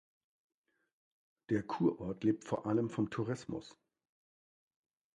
Der Kurort lebt vor allem vom Tourismus.